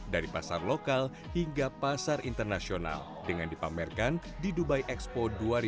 dari pasar lokal hingga pasar internasional dengan dipamerkan di dubai expo dua ribu dua puluh